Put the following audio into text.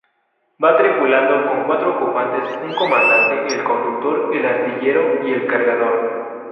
Va tripulado con cuatro ocupantes: un comandante, el conductor, el artillero y el cargador.